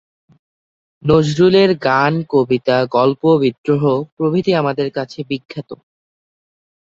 নজরুলের গান, কবিতা, গল্প, বিদ্রোহ প্রভৃতি আমাদের কাছে বিখ্যাত।